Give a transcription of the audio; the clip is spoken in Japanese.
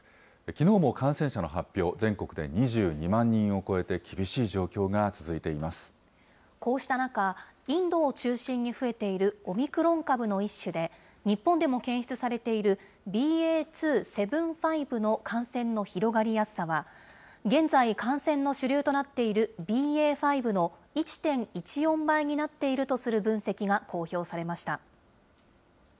きのうも感染者の発表、全国で２２万人を超えて、こうした中、インドを中心に増えているオミクロン株の一種で、日本でも検出されているＢＡ．２．７５の感染の広がりやすさは、現在感染の主流となっているＢＡ．５の１．１４倍になっているとする分析が公表されました。